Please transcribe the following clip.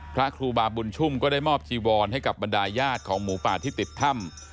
พระครูบาบุญชุ่มก็ได้มอบจีวรให้กับบรรดาญาติของหมูป่าที่ติดถ้ำ